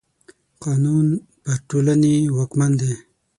قانون پر ټولني واکمن دی.